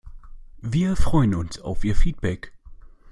Wir freuen uns auf Ihr Feedback!